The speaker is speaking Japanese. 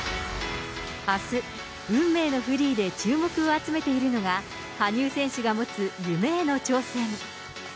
あす、運命のフリーで注目を集めているのが、羽生選手が持つ夢への挑戦。